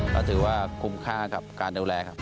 ก็ถือว่าคุ้มค่ากับการดูแลครับ